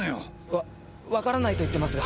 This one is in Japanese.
わわからないと言ってますが。